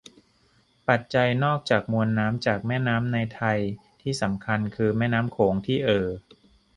ปัจจัยนอกจากมวลน้ำจากแม่น้ำในไทยที่สำคัญคือแม่น้ำโขงที่เอ่อ